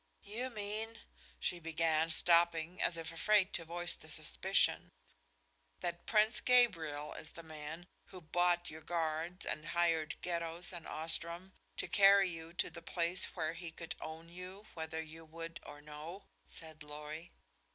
"You mean " she began, stopping as if afraid to voice the suspicion. "That Prince Gabriel is the man who bought your guards and hired Geddos and Ostrom to carry you to the place where he could own you, whether you would or no," said Lorry.